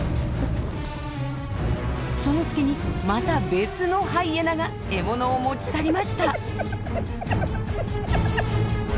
その隙にまた別のハイエナが獲物を持ち去りました。